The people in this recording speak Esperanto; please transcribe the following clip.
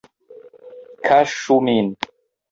Kaŝu min!